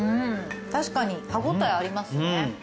確かに歯応えありますね。